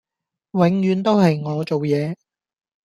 永遠都係我做野